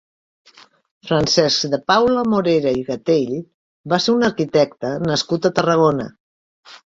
Francesc de Paula Morera i Gatell va ser un arquitecte nascut a Tarragona.